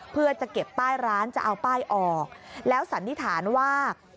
เพื่อจะเก็บป้ายร้านจะเอาป้ายออกแล้วสันนิษฐานว่า